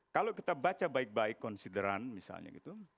kalau kita baca baik baik konsideran misalnya gitu